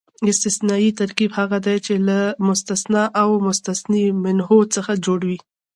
استثنایي ترکیب هغه دئ، چي له مستثنی او مستثنی منه څخه جوړ يي.